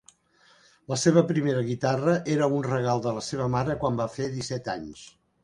La seva primera guitarra era un regal de la seva mare quan va fer disset anys.